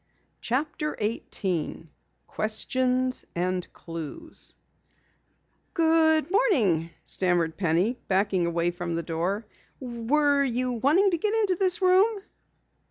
CHAPTER 18 QUESTIONS AND CLUES "Good morning," stammered Penny, backing from the door. "Were you wanting to get into this room?"